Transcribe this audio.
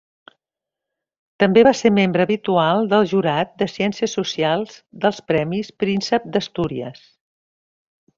També va ser membre habitual del jurat de Ciències Socials dels Premis Príncep d'Astúries.